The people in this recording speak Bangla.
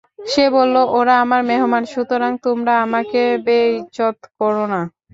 সে বলল, ওরা আমার মেহমান, সুতরাং তোমরা আমাকে বে-ইজ্জত করো না।